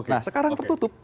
nah sekarang tertutup